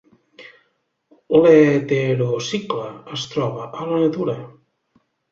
L'heterocicle es troba a la natura.